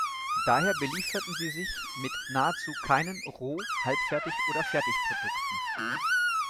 Daher belieferten sie sich mit nahezu keinen Roh-, Halbfertig- oder Fertigprodukten.